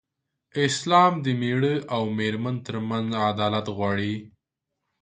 اسلام د مېړه او مېرمن تر منځ عدالت غواړي.